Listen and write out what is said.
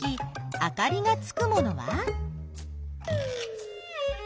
あかりがつくものは？